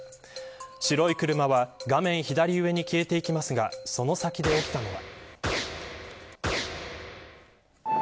白い車は画面左上に消えていきますがその先で起きたのは。